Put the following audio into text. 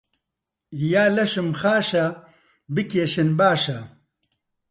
یا لەشم خاشە بکێشن باشە